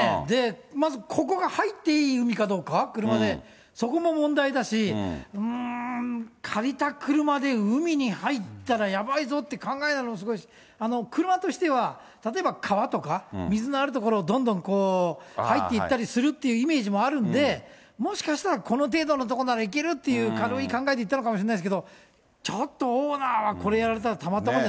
まず、ここが入っていい海かどうか、車で、そこも問題だし、うーん、借りた車で海に入ったらやばいぞって考えないのすごいし、車としては、例えば川とか水のある所をどんどん入っていったりするっていうイメージもあるんで、もしかしたら、この程度の所ならいけるっていう軽い考えで行ったのかもしれないですけど、ちょっとオーナーは、これやられたら、たまったもんじ